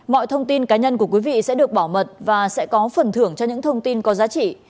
mọi thông tin cá nhân của quý vị sẽ được bảo mật và sẽ có phần thưởng cho những thông tin có giá trị